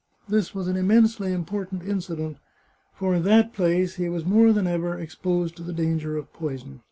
This was an immensely important incident, for in that place he was more than ever exposed to the danger of poison.